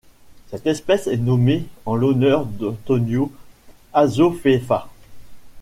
Cette espèce est nommée en l'honneur d'Antonio Azofeifa.